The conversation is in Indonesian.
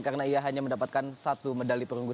karena ia hanya mendapatkan satu medali perungguan